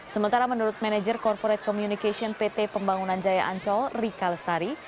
sementara menurut manajer corporate communication pt pembangunan jaya ancol rika lestari